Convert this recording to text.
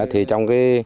thì trong cái